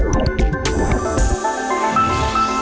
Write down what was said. โปรดติดตามตอนต่อไป